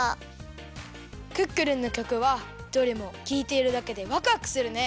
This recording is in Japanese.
クックルンのきょくはどれもきいているだけでワクワクするね。